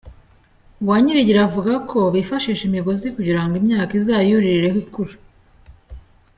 Uwanyirigira avuga ko bifashisha imigozi kugira ngo imyaka izayuririreho ikura.